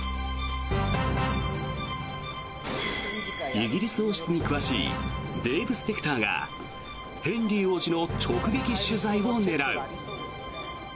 イギリス王室に詳しいデーブ・スペクターがヘンリー王子の直撃取材を狙う。